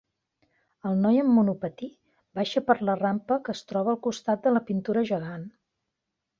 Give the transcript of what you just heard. El noi amb monopatí baixa per la rampa que es troba al costat de la pintura gegant.